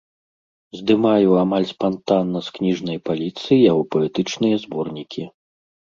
Здымаю амаль спантанна з кніжнай паліцы яго паэтычныя зборнікі.